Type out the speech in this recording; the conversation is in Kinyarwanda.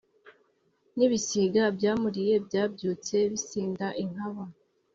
n'ibisiga byamuliye byabyutse bisinda inkaba,